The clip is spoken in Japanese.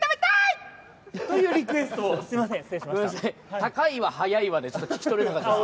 高いわ速いわでちょっと聞き取れなかったです。